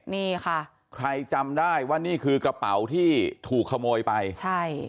นี่ค่ะใครจำได้ว่านี่คือกระเป๋าที่ถูกขโมยไปใช่